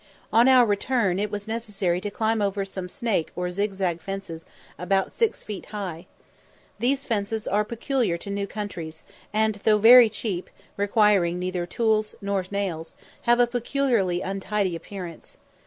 On our return, it was necessary to climb over some "snake" or zigzag fences about six feet high. These are fences peculiar to new countries, and though very cheap, requiring neither tools nor nails, have a peculiarly untidy appearance.